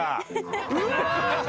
うわ！